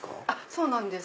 そうなんです。